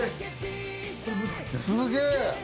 すげえ！